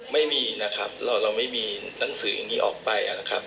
ไม่มีนะครับเราไม่มีหนังสือนี้ออกไป